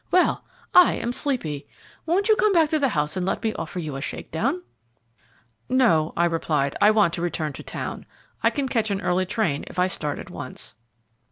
Well, I am sleepy. Won't you come back to the house and let me offer you a shake down?" "No," I replied, "I want to return to town. I can catch an early train if I start at once."